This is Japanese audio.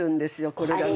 これがね。